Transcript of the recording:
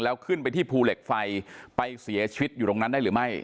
แล้วขึ้นไปที่ภูเหล็กไฟไปเสียชีวิตอยู่ตรงนั้นได้หรือไม่